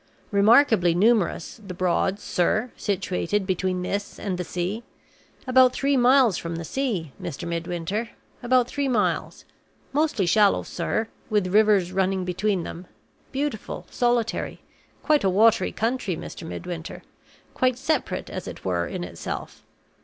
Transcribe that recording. Remarkably numerous, the Broads, sir situated between this and the sea. About three miles from the sea, Mr. Midwinter about three miles. Mostly shallow, sir, with rivers running between them. Beautiful; solitary. Quite a watery country, Mr. Midwinter; quite separate, as it were, in itself.